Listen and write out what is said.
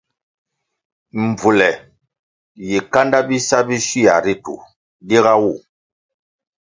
Mbvule yi kanda bisa bi shywia ritu diga wu.